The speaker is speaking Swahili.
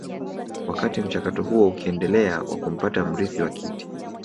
Wakati mchakato huo ukiendelea wa kumpata mrithi wa kiti